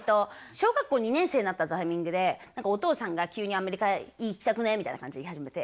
小学校２年生になったタイミングでお父さんが急に「アメリカ行きたくねえ？」みたいな感じで言い始めて。